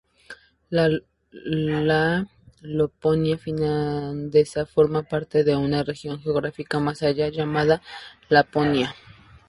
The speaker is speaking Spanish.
La Laponia finlandesa forma parte de una región geográfica más grande llamada Laponia.